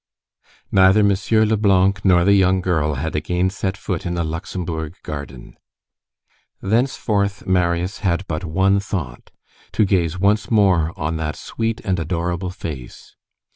Neither M. Leblanc nor the young girl had again set foot in the Luxembourg garden. Thenceforth, Marius had but one thought,—to gaze once more on that sweet and adorable face.